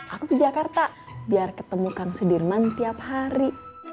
aku ke jakarta biar ketemu kang sudirman tiap hari